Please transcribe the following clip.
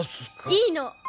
いいの！